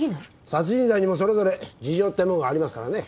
殺人罪にもそれぞれ事情ってもんがありますからね。